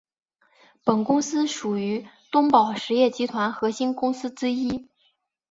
本公司属于东宝实业集团核心公司之一。